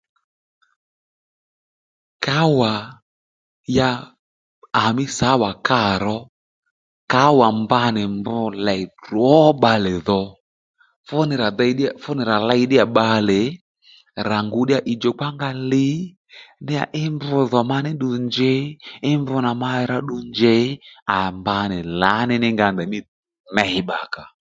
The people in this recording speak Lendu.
Kǎwà ya àmí sáwà kâ ro kǎwà mba nì mb lèy drǒ bbalè dho fúnì rà dey fúnì rà ley ddíyà bbalè rà ngu ddíyà ì djùkpa nga li ddíyà í mb dhò ma ní ddu njěy í mb nà ma rǎ ddu njèy à mba nì lǎní ní nga ney bbakǎ